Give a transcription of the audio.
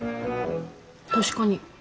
確かに。